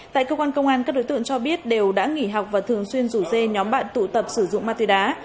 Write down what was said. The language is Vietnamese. tại cơ quan công an các đối tượng cho biết đều đã nghỉ học và thường xuyên rủ dê nhóm bạn tụ tập sử dụng ma túy đá